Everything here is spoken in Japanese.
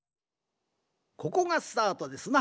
ここがスタートですな。